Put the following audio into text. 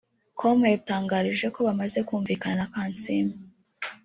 com yadutangarije ko bamaze kumvikana na Kansiime